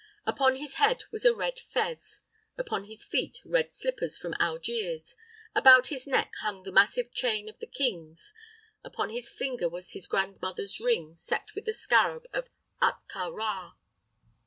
Upon his head was a red fez; upon his feet red slippers from Algiers; about his neck hung the massive chain of the kings; upon his finger was his grandmother's ring set with the scarab of Ahtka Rā.